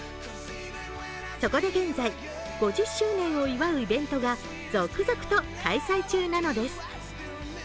そこで現在、５０周年を祝うイベントが、続々と開催中なのです。